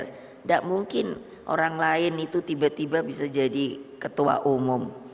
tidak mungkin orang lain itu tiba tiba bisa jadi ketua umum